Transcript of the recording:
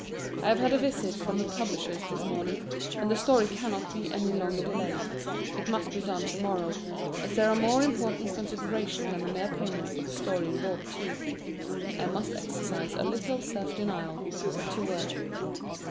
I have had a visit from the publishers this morning, and the story cannot be any longer delayed; it must be done to morrow, as there are more important considerations than the mere payment for the story involved too. I must exercise a little self denial, and set to work.